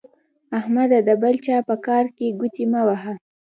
احمده د بل چا په کار کې ګوتې مه وهه.